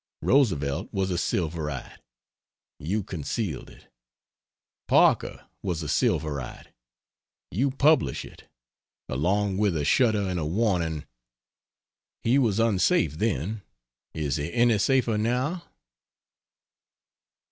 Roosevelt was a silverite you concealed it. Parker was a silverite you publish it. Along with a shudder and a warning: "He was unsafe then. Is he any safer now?"